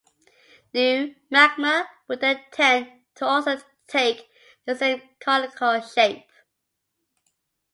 New magma would then tend to also take the same conical shape.